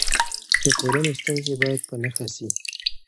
د ټولنې ستونزې باید په نښه سي.